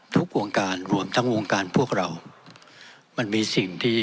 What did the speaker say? วงการรวมทั้งวงการพวกเรามันมีสิ่งที่